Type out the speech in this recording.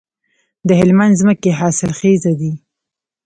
د هلمند ځمکې حاصلخیزه دي